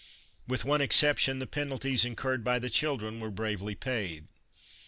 With one exception, the penalties incurred by the children were bravely paid.